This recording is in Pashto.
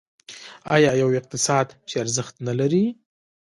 آیا یو اقتصاد چې ارزښت نلري؟